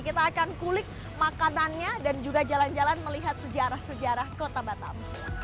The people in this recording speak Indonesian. kita akan kulik makanannya dan juga jalan jalan melihat sejarah sejarah kota batam